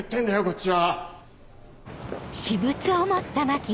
こっちは。